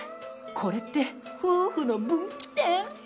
これって、夫婦の分岐点？